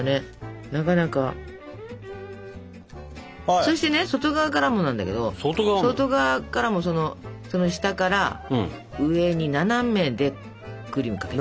そしてね外側からもなんだけど外側からもその下から上に斜めでクリームかけて。